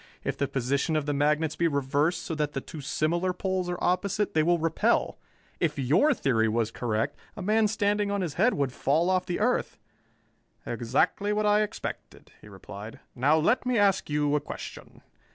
"If the position of the magnets be reversed so that the two similar poles are opposite, they will repel. If your theory were correct, a man standing on his head would fall off the earth." "Exactly what I expected," he replied. "Now let me ask you a question.